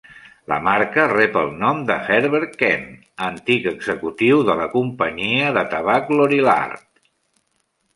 La marca rep el nom de Herbert Kent, antic executiu de la companyia de tabac Lorillard.